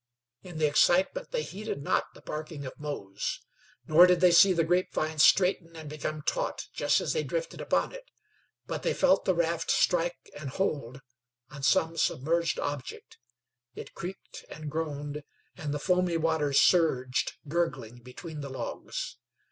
In the excitement they heeded not the barking of Mose. Nor did they see the grapevine straighten and become taut just as they drifted upon it; but they felt the raft strike and hold on some submerged object. It creaked and groaned and the foamy water surged, gurgling, between the logs.